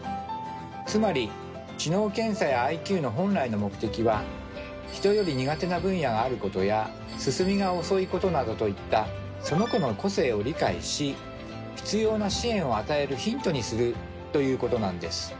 つまり知能検査やＩＱの本来の目的は人より苦手な分野があることや進みが遅いことなどといったその子の個性を理解し必要な支援を与えるヒントにするということなんです。